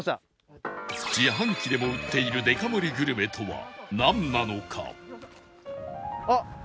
自販機でも売っているデカ盛りグルメとはなんなのか？